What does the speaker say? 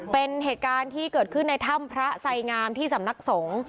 เป็นเหตุการณ์ที่เกิดขึ้นในถ้ำพระไสงามที่สำนักสงฆ์